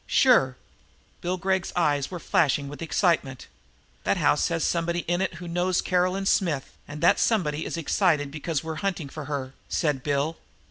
"Sure." Bill Gregg's eyes were flashing with the excitement. "That house has somebody in it who knows Caroline Smith, and that somebody is excited because we're hunting for her," said Bill.